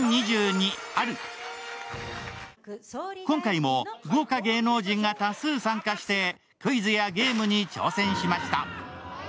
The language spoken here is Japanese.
今回も豪華芸能人が多数参加してクイズやゲームに挑戦しました。